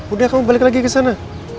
udah kamu balik lagi kesana